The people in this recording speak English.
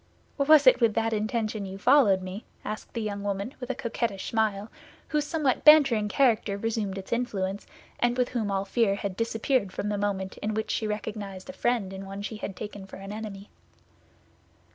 "Was it with that intention you followed me?" asked the young woman, with a coquettish smile, whose somewhat bantering character resumed its influence, and with whom all fear had disappeared from the moment in which she recognized a friend in one she had taken for an enemy.